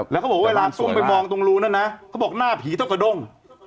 แล้วเขาบอกว่าเวลาซุ่มไปมองตรงรูนั้นนะเขาบอกหน้าผีเท่ากระด้ง